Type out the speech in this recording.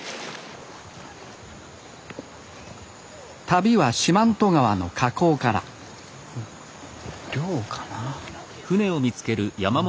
旅は四万十川の河口から漁かな？